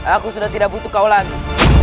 aku sudah tidak butuh kau lagi